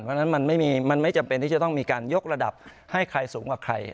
เพราะฉะนั้นมันไม่จำเป็นที่จะต้องมีการยกระดับให้ใครสูงกว่าใคร